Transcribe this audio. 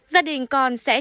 gia đình con sẽ không bao giờ